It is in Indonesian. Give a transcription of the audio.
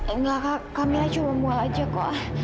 enggak kak kamilah cuma mual aja kok